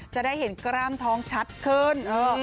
จะได้เห็นกล้ามท้องชัดขึ้น